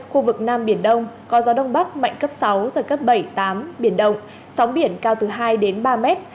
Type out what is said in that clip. khu vực nam biển đông có gió đông bắc mạnh cấp sáu giật cấp bảy tám biển động sóng biển cao từ hai đến ba mét